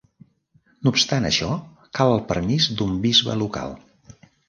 No obstant això, cal el permís d'un bisbe local.